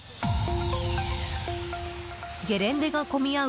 ゲレンデが混み合う